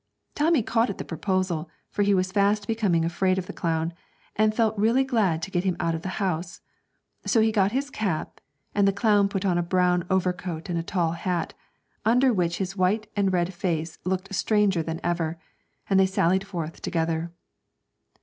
Tommy caught at the proposal, for he was fast becoming afraid of the clown, and felt really glad to get him out of the house; so he got his cap, and the clown put on a brown overcoat and a tall hat, under which his white and red face looked stranger than ever, and they sallied forth together.